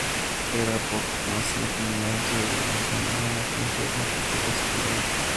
Era poco conocido como maestro de religión, era más conocido como político secular.